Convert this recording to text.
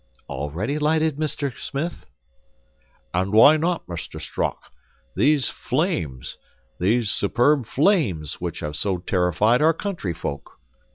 "Already lighted, Mr. Smith?" "And why not, Mr. Strock? These flames! These superb flames, which have so terrified our country folk!